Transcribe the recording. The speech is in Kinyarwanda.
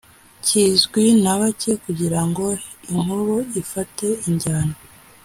kizwi nabake kugira ngo inkuru ifate injyana!